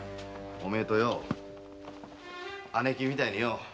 お前と姉貴みたいによ。